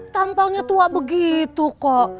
tampaknya tua begitu kok